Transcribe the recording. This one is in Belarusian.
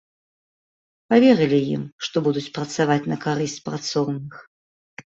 Паверылі ім, што будуць працаваць на карысць працоўных.